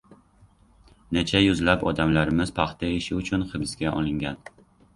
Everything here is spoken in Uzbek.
Necha yuzlab odamlarimiz «Paxta ishi» uchun hibsga olingan